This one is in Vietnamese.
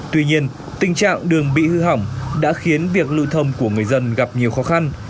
tuy nhiên tình trạng đường bị hư hỏng đã khiến việc lưu thông của người dân gặp nhiều khó khăn